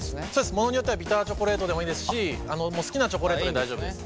ものによってはビターチョコレートでもいいですし好きなチョコレートで大丈夫です。